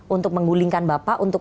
untuk menggulingkan bapak untuk